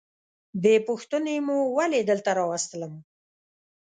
بې پوښتنې مو ولي دلته راوستلم؟